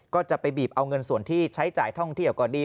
ก็จะไปบีบเอาเงินส่วนที่ใช้จ่ายท่องเที่ยวก็ดี